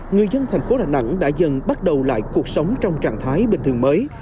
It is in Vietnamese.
người dân thành phố đà nẵng đã dần bắt đầu lại cuộc sống trong trạng thái bình thường mới